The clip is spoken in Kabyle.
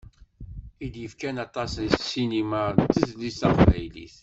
I d-yefkan aṭas i ssinima d tezlit taqbaylit.